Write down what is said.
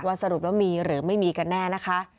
สรุปแล้วมีหรือไม่มีกันแน่นะคะ